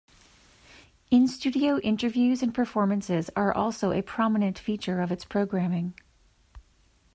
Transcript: In-studio interviews and performances are also a prominent feature of its programming.